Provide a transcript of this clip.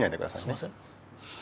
すいません。